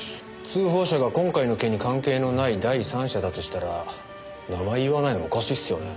通報者が今回の件に関係のない第三者だとしたら名前言わないのおかしいっすよね。